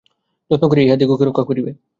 যত্ন করিয়া ইহাদিগকে রক্ষা করিবে।